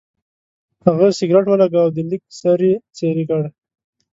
هغه سګرټ ولګاوه او د لیک سر یې څېرې کړ.